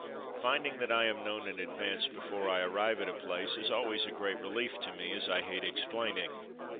Finding that I am known in advance before I arrive at a place is always a great relief to me, as I hate explaining.